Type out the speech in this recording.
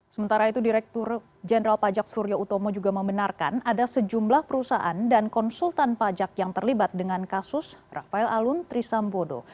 sementara itu direktur jenderal pajak surya utomo juga membenarkan ada sejumlah perusahaan dan konsultan pajak yang terlibat dengan kasus rafael alun trisambodo